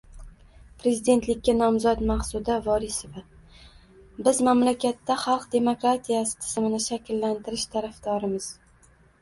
Prezidentlikka nomzod Maqsuda Vorisova: “Biz mamlakatda xalq demokratiyasi tizimini shakllantirish tarafdorimiz”